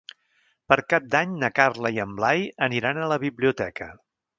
Per Cap d'Any na Carla i en Blai aniran a la biblioteca.